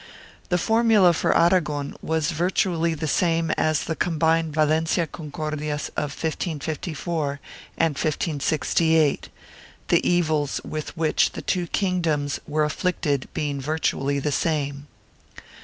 The formula for Aragon was virtually the same as the combined Valencia Concordias of 1554 and 1568, the evils with which the two kingdoms were afflicted being virtually the same.